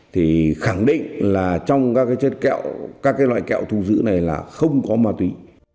thì khẳng định là trong các loại kẹo thu giữ này là không có ma túy